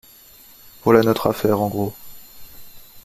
Voilà notre affaire en gros.